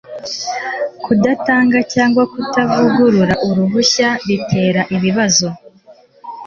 kudatanga cyangwa kutavugurura uruhushya bitera ibibazol